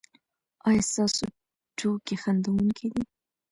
ایا ستاسو ټوکې خندونکې دي؟